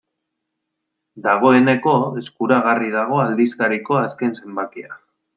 Dagoeneko eskuragarri dago aldizkariko azken zenbakia.